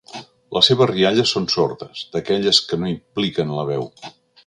Les seves rialles són sordes, d'aquelles que no impliquen la veu.